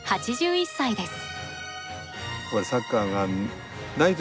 ８１歳です。